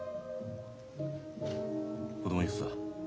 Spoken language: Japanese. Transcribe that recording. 子供いくつだ。